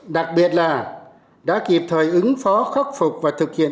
đặc biệt là đã kịp thời ứng phó khắc phục và thực hiện